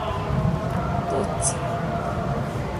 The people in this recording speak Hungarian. Tudsz!